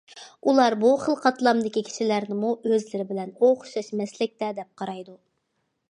ئۇلار بۇ خىل قاتلامدىكى كىشىلەرنىمۇ ئۆزلىرى بىلەن ئوخشاش مەسلەكتە دەپ قارايدۇ.